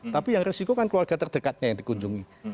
tapi yang resiko kan keluarga terdekatnya yang dikunjungi